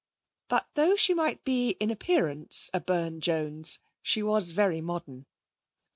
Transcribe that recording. But though she might be in appearance a Burne Jones, she was very modern.